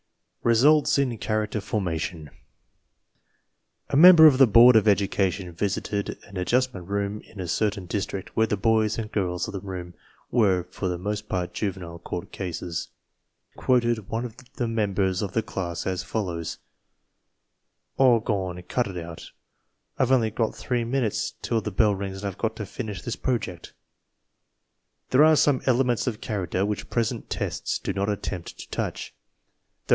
RESULTS IN CHARACTER FORMATION A member of the board of education visited an Ad justment Room in a certain district, where the boys and girls of the room were for the most part juvenile court cases. He afterward quoted one of the members of the class as follows: "A^rgwan! Cut it out! I've only got three minutes till the bell rings and Fve got to finish this Project!" There are some elements of character which present tests do not attempt to touch. Those